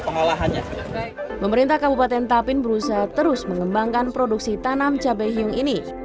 pengolahannya pemerintah kabupaten tapin berusaha terus mengembangkan produksi tanam cabai hiung ini